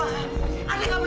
jangan salah punya perasaan kamu